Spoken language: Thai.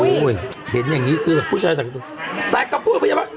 นี่โอ้โฮเห็นอย่างงี้คือผู้ชายจังหลุดแต่ก็พูดไปอย่าล่ะ